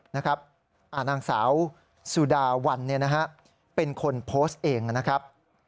นางสาวสุดาวันเป็นคนโพสต์เองนะครับ